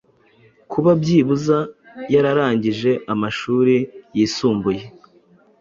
Kuba byibuze yararangije amashuri yisumbuye